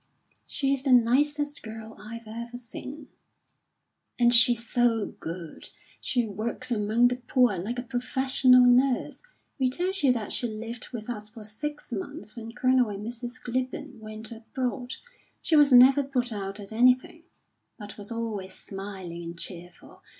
"She's the nicest girl I've ever seen." "And she's so good. She works among the poor like a professional nurse. We told you that she lived with us for six months while Colonel and Mrs. Clibborn went abroad. She was never put out at anything, but was always smiling and cheerful.